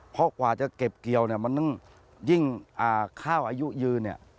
เพราะกว่าจะเก็บเกลียวมันต้องยิ่งข้าวอายุยืน